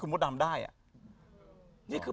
คุณหมดดำได้นี่คือ